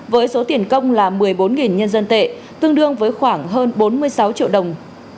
với số tiền công là một mươi bốn nhân dân tệ tương đương với khoảng hơn bốn mươi sáu triệu đồng